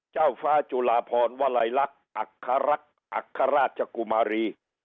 เจ้าฟ้าจุลาพรวลัยลักษณ์อัครักษ์อัครราชกุมารี